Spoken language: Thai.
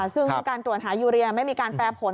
ซึ่งการตรวจหายูเรียไม่มีการแปรผล